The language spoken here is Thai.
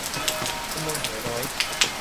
จำนวนหัวน้อย